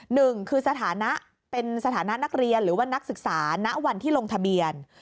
หนึ่งคือสถานะเป็นสถานะนักเรียนหรือว่านักศึกษาณวันที่ลงทะเบียน